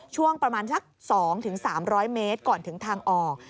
ช่วงประมาณสัก๒๓๐๐เมตรก่อนถึงทางออก